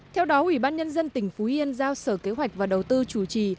theo đó ủy ban nhân dân tỉnh phú yên giao sở kế hoạch và đầu tư chủ trì